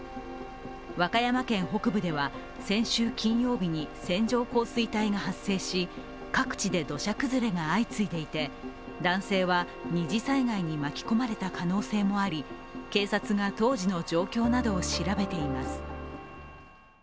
和歌山県北部では先週金曜日に線状降水帯が発生し各地で土砂崩れが相次いでいて男性は二次災害に巻き込まれた可能性もあり警察が当時の状況などを調べています。